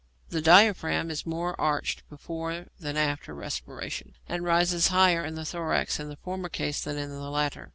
The diaphragm is more arched before than after respiration, and rises higher in the thorax in the former case than in the latter.